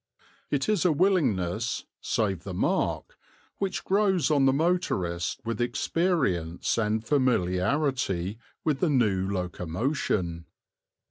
It is a willingness, save the mark, which grows on the motorist with experience and familiarity with the new locomotion.